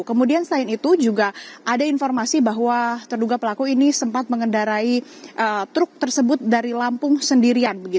kemudian selain itu juga ada informasi bahwa terduga pelaku ini sempat mengendarai truk tersebut dari lampung sendirian